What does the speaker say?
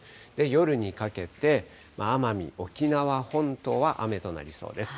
夜にかけて、奄美、沖縄本島は雨となりそうです。